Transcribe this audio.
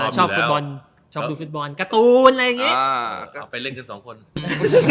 ชอบดูฟุตบอลการ์ตูนอะไรอย่างนี้